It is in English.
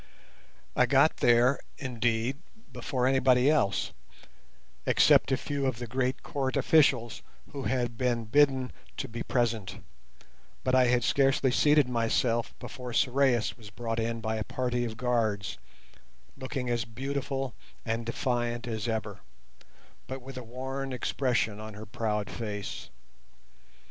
I got there, indeed, before anybody else, except a few of the great Court officials who had been bidden to be present, but I had scarcely seated myself before Sorais was brought in by a party of guards, looking as beautiful and defiant as ever, but with a worn expression on her proud face.